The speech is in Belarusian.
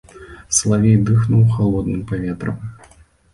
Салавей дыхнуў халодным паветрам.